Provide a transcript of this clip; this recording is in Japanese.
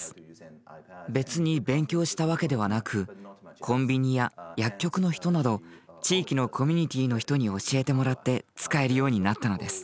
別に勉強したわけではなくコンビニや薬局の人など地域のコミュニティーの人に教えてもらって使えるようになったのです。